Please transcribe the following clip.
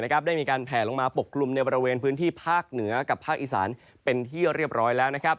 ได้มีการแผลลงมาปกกลุ่มในบริเวณพื้นที่ภาคเหนือกับภาคอีสานเป็นที่เรียบร้อยแล้ว